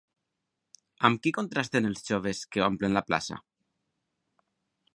Amb qui contrasten els joves que omplen la plaça?